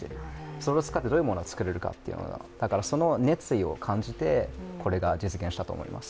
それを使ってどういうものをつくれるか、だからその熱意を感じてこれが実現したと思います。